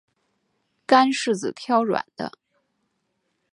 干柿子挑软的